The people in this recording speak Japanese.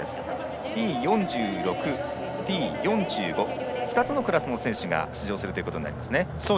Ｔ４６、Ｔ４５２つのクラスの選手が出場することになりますね。